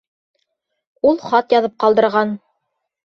— Ул хат яҙып ҡалдырған.